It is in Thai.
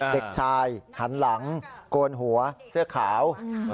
เด็กชายหันหลังโกนหัวเสื้อขาว